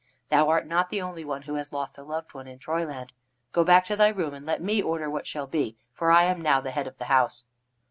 Thou art not the only one who hast lost a loved one in Troyland. Go back to thy room, and let me order what shall be, for I am now the head of the house."